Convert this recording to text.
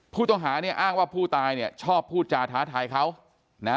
ผู้ต้องหาเนี่ยอ้างว่าผู้ตายเนี่ยชอบพูดจาท้าทายเขานะ